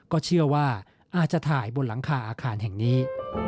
ก็เชื่อว่าอาจจะถ่ายบนหลังคาอาคารแห่งนี้